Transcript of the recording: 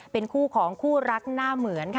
เป็นคู่ของคู่รักหน้าเหมือนค่ะ